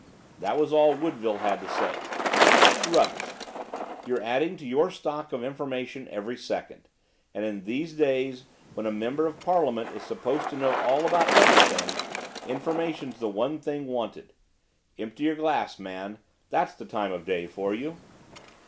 That was all Woodville had to say. 'Rubbish! You're adding to your stock of information every second, and, in these days, when a member of Parliament is supposed to know all about everything, information's the one thing wanted. Empty your glass, man, that's the time of day for you!